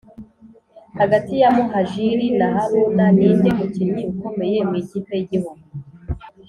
hagati ya muhajili na haruna ninde mukinnyi ukomeye mu ikipe y’igihugu?